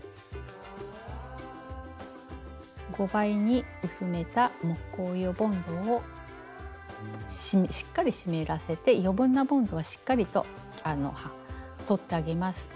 ５倍に薄めた木工用ボンドをしっかり湿らせて余分なボンドはしっかりと取ってあげます。